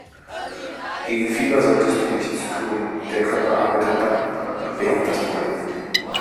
Gegen Fieber sollst du nichts tun, der Körper arbeitet dann und behebt das Problem.